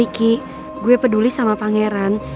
ricky gue peduli sama pangeran